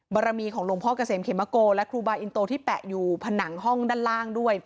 บารมีของหลวงพ่อเกษมเขมโกและครูบาอินโตที่แปะอยู่ผนังห้องด้านล่างด้วย